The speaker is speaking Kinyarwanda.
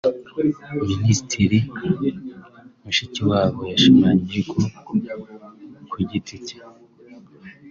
Minisitiri Mushikiwabo yashimangiye ko ku giti cye